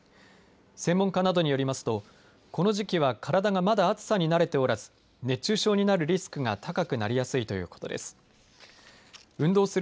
専門家などによりますとこの時期は体がまだ暑さに慣れておらず熱中症になるリスクが高くなりやすいということです。